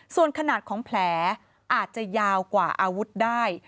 ส่วนขนาดของแผลอาจจะยาวกว่าอาวุธได้